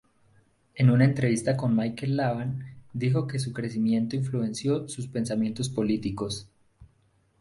En una entrevista con Michel Laban, dijo que su crecimiento influenció sus pensamientos políticos.